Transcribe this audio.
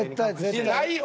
いやないよ。